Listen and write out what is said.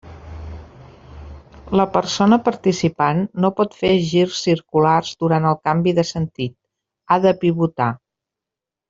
La persona participant no pot fer girs circulars durant el canvi de sentit, ha de pivotar.